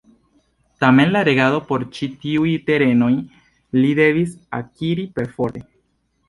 Tamen la regadon por ĉi tiuj terenoj li devis akiri perforte.